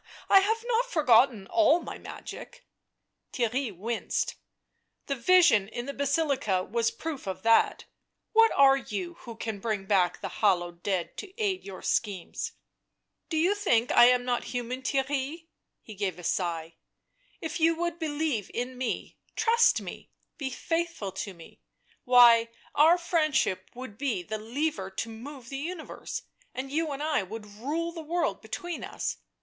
" I have not forgot all my magic." Theirry winced. " The vision in the Basilica was proof of that — what are you who can bring back the hallowed dead to aid your schemes ?" tl Do you think I am not human, Theirry V' He gave a sigh. " If you would believe in me, trust me, be faithful to me — why, our friendship would be the lever to move the universe, and you and I would rule the world between us.